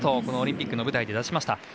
このオリンピックの舞台で打しました。